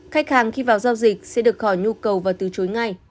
khách hàng khi vào giao dịch sẽ được khỏi nhu cầu và từ chối ngay